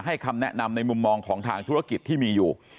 คำแนะนำในมุมมองของทางธุรกิจที่มีอยู่